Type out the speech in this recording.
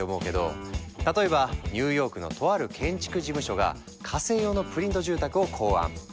例えばニューヨークのとある建築事務所が火星用のプリント住宅を考案。